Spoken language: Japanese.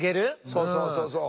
そうそうそうそう。